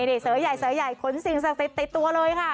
นี่เสื้อใหญ่ขนสิ่งติดตัวเลยค่ะ